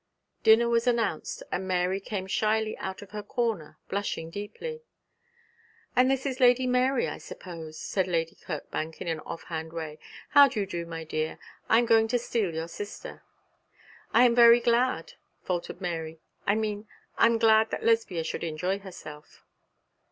Dinner was announced, and Mary came shyly out of her corner, blushing deeply. 'And this is Lady Mary, I suppose?' said Lady Kirkbank, in an off hand way, 'How do you do, my dear? I am going to steal your sister.' 'I am very glad,' faltered Mary. 'I mean I am glad that Lesbia should enjoy herself.'